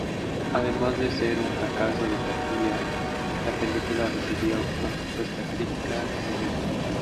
Además de ser un fracaso de taquilla, la película recibió una respuesta crítica mediocre.